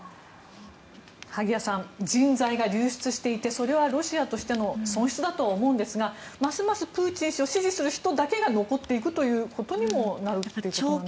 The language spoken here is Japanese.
萩谷さん人材が流出していてそれはロシアとしての損失だと思うんですがますますプーチン氏を支持する人だけが残っているということにもなってしまうんでしょうか。